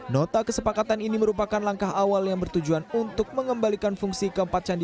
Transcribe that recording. nota kesepakatan ini merupakan langkah awal yang bertujuan untuk mengembalikan fungsi keempat candi